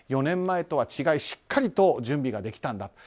４年前とは違いしっかりと準備ができたんだ。